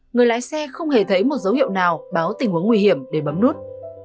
người lái xe không hề thấy một dấu hiệu nào báo tình huống nguy hiểm để bấm nút